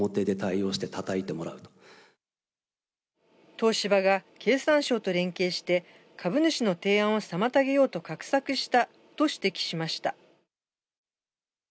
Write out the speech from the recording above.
東芝が経産省と連携して、株主の提案を妨げようと画策したと指摘しました。